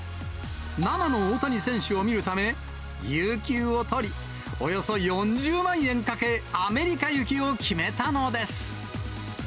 生の大谷選手を見るため、有休を取り、およそ４０万円かけアメリカ行きを決めたのです。